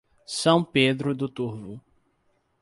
São Pedro do Turvo